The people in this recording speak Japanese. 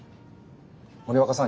森若さん